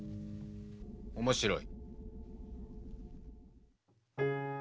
面白い。